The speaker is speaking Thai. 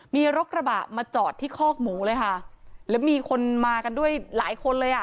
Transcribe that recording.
มีรถกระบะมาจอดที่คอกหมูเลยค่ะแล้วมีคนมากันด้วยหลายคนเลยอ่ะ